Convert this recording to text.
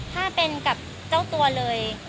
ถ้าเป็นกับเจ้าตัวเลย